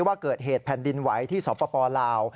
ว่าเกิดเหตุแผ่นดินไหวที่สปลาว